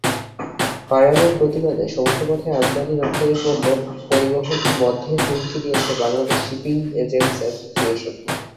হয়রানির প্রতিবাদে সমুদ্রপথে আমদানি-রপ্তানি পণ্য পরিবহন বন্ধের হুমকি দিয়েছে বাংলাদেশ শিপিং এজেন্টস অ্যাসোসিয়েশন।